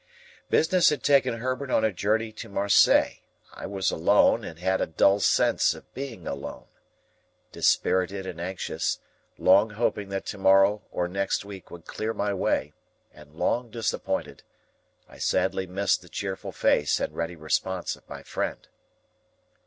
Business had taken Herbert on a journey to Marseilles. I was alone, and had a dull sense of being alone. Dispirited and anxious, long hoping that to morrow or next week would clear my way, and long disappointed, I sadly missed the cheerful face and ready response of my friend.